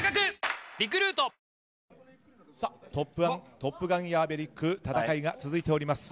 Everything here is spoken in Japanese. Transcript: トップガンヤーベリック戦いが続いております。